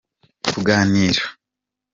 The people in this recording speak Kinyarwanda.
kuganira.